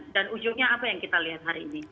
dan ujungnya apa yang kita lihat hari ini